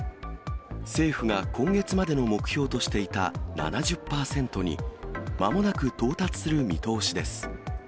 政府が今月までの目標としていた７０％にまもなく到達する見通しです。